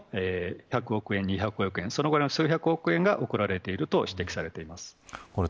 近年も１００億円、２００億円そのぐらいの数百億円が送られていると指摘されています。